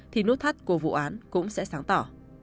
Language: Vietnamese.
thì nút thắt của vụ án cũng sẽ sáng tỏ